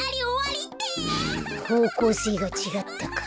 ほうこうせいがちがったか。